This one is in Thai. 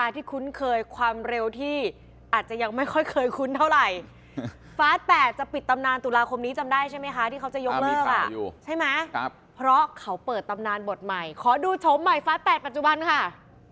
ตุลาคมนี้จำได้ใช่ไหมคะที่เขาจะยกเลิกอ่ะใช่ไหมครับเพราะเขาเปิดตำนานบทใหม่ขอดูชมใหม่ฟ้าแปดปัจจุบันค่ะ